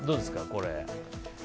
これ。